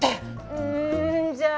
うんじゃあ。